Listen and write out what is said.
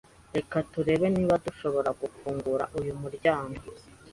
Reka turebe niba dushobora gufungura uyu muryango.